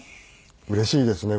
うれしいですね。